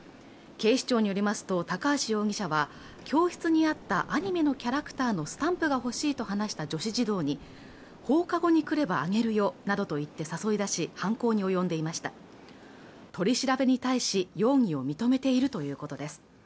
警視庁によりますと高橋容疑者は教室にあったアニメのキャラクターのスタンプが欲しいと話した女子児童に放課後に来ればあげるよなどと言って誘い出し犯行に及んでいました取り調べに対し容疑を認めているということです